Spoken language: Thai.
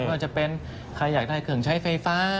ว่าจะเป็นใครอยากได้เครื่องใช้ไฟฟ้า